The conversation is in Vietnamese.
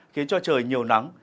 khiến cho trời nhiều nắng